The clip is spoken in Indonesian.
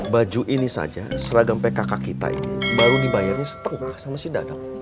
baju ini saja seragam pkk kita ini baru dibayarnya setengah sama si dadap